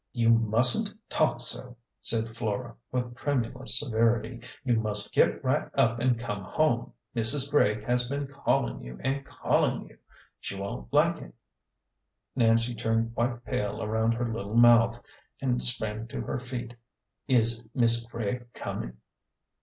" You mustn't talk so," said Flora, with tremulous severity. " You must get right up and come home. Mrs. Gregg has been calling you and calling you. She won't like it." Nancy turned quite pale around her little mouth, and sprang to her feet. " Is Mis' Gregg com in' ?"